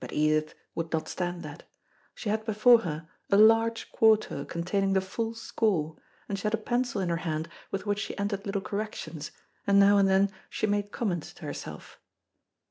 But Edith would not stand that. She had before her a large quarto containing the full score, and she had a pencil in her hand with which she entered little corrections, and now and then she made comments to herself.